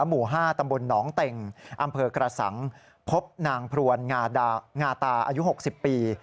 หมู่๕ตำบลหนองเต็งอำเภอกระสังพบนางพรวนงาตาอายุ๖๐ปี